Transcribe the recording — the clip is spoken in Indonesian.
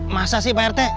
masa sih parete